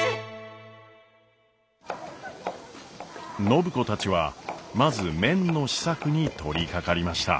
暢子たちはまず麺の試作に取りかかりました。